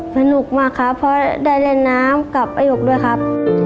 สนุกมากครับเพราะได้เล่นน้ำกับป้ายกด้วยครับ